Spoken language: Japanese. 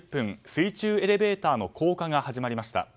水中エレベーターの降下が始まりました。